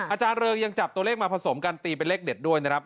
อาจารย์เริงยังจับตัวเลขมาผสมกันตีเป็นเลขเด็ดด้วยนะครับ